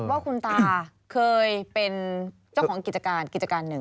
ว่าคุณตาเคยเป็นเจ้าของกิจการกิจการหนึ่ง